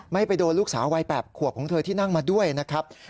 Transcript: ไม่ไปโดนลูกสาววัย๘ขวบของเธอที่นั่งมาด้วยนะครับ